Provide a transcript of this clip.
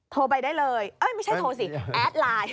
โทรไปได้เลยไม่ใช่โทรสิแอดไลน์